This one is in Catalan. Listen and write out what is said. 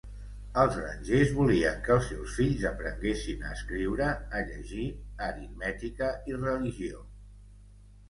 Els grangers volien que els seus fills aprenguessin a escriure, a llegir, aritmètica i religió.